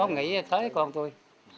chín mươi một nghỉ tới con tôi